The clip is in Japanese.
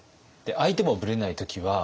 相手もブレない時は？